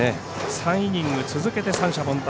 ３イニング続けて三者凡退。